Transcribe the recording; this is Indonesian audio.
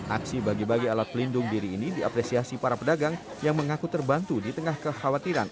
aksi bagi bagi alat pelindung diri ini diapresiasi para pedagang yang mengaku terbantu di tengah kekhawatiran